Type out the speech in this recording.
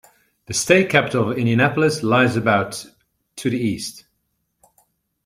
The state capital of Indianapolis lies about to the east.